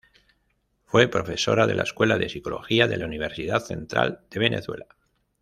Fue profesora de la Escuela de Psicología de la Universidad Central de Venezuela.